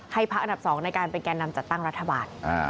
พักอันดับ๒ในการเป็นแก่นำจัดตั้งรัฐบาล